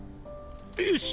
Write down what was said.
⁉よし！